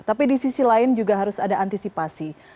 tapi di sisi lain juga harus ada antisipasi